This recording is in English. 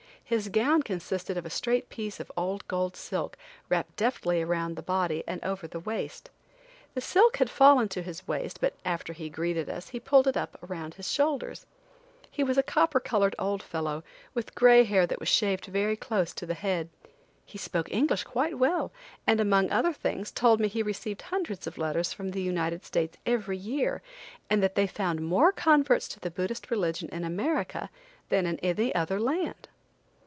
His gown consisted of a straight piece of old gold silk wrapped deftly around the body and over the waist. The silk had fallen to his waist, but after he greeted us he pulled it up around his shoulders. He was a copper colored old fellow, with gray hair that was shaved very close to the head. He spoke English quite well, and among other things told me he received hundreds of letters from the United States every year, and that they found more converts to the Buddhist religion in America than in any other land.